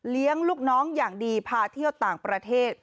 ลูกน้องอย่างดีพาเที่ยวต่างประเทศ